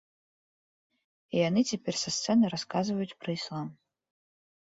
І яны цяпер са сцэны расказваюць пра іслам.